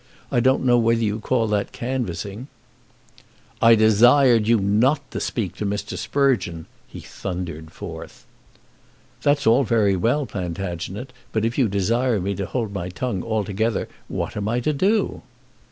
I don't know whether you call that canvassing." "I desired you not to speak to Mr. Sprugeon," he thundered forth. "That's all very well, Plantagenet, but if you desire me to hold my tongue altogether, what am I to do?"